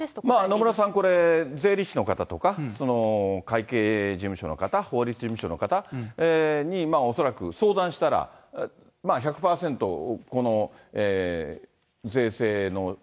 野村さん、これ、税理士の方とか、会計事務所の方、法律事務所の方に、恐らく相談したら、１００％、この税制の。